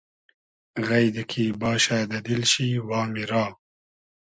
غݷدی کی باشۂ دۂ دیل شی وامی را